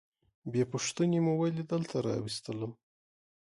بې پوښتنې مو ولي دلته راوستلم؟